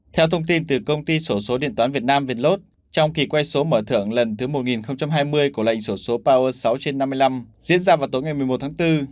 theo thông tin từ công ty sổ số điện toán việt nam vietlot trong kỳ quay số mở thưởng lần thứ một nghìn hai mươi của lệnh sổ số power sáu trên năm mươi năm diễn ra vào tối ngày một mươi một tháng bốn